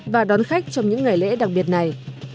và đón khách trong những ngày lễ đặc biệt này